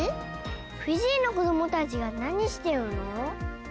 フィジーの子どもたちがなにしてるの？